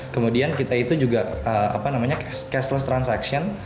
kemudian kita itu juga cashless transaction